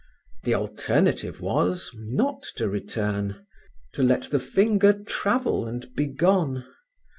The alternative was, not to return, to let the finger travel and be gone.